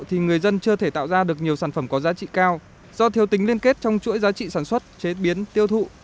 thì người dân chưa thể tạo ra được nhiều sản phẩm có giá trị cao do thiếu tính liên kết trong chuỗi giá trị sản xuất chế biến tiêu thụ